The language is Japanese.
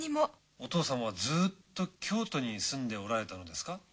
お父さんはずっと京都に住んでおられたのですか？